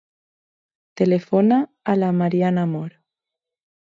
Telefona a la Mariana Mor.